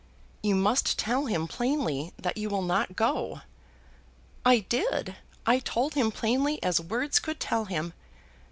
"You must tell him plainly that you will not go." "I did. I told him plainly as words could tell him.